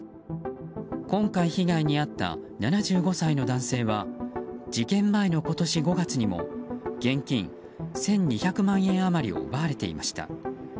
今回、被害に遭った７５歳の男性は事件前の今年５月にも現金１２００万円余りを奪われていました。